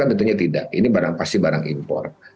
tentunya tidak ini barang pasti barang impor